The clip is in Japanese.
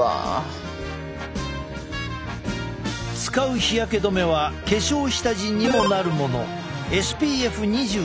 使う日焼け止めは化粧下地にもなるもの。